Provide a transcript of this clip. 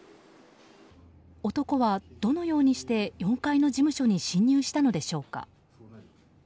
男は、どのようにして４階の事務所に侵入したのでしょうか。